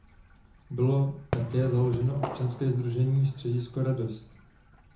Bylo také založeno občanské sdružení Středisko Radost.